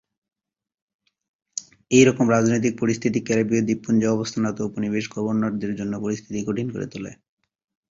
এইরকম রাজনৈতিক পরিস্থিতি, ক্যারেবীয় দ্বীপপুঞ্জে অবস্থানরত উপনিবেশ গভর্নরদের জন্য পরিস্থিতি কঠিন করে তোলে।